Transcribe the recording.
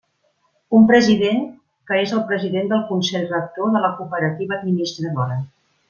Un president, que és el president del consell rector de la cooperativa administradora.